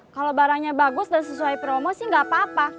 kalau barangnya bagus dan sesuai promo sih nggak apa apa